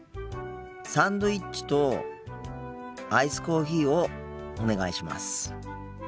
サンドイッチとアイスコーヒーをお願いします。